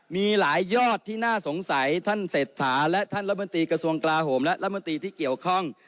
มีหลายยอดที่น่าสงสัยท่านเศรษฐาและท่านรัฐมนตรีกระทรวงกลาโหมและรัฐมนตรีที่เกี่ยวข้อง